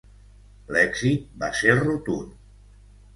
L'èxit va ser rotund.